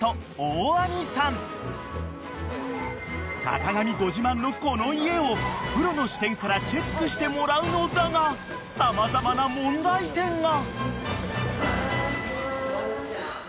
［坂上ご自慢のこの家をプロの視点からチェックしてもらうのだが様々な問題点が］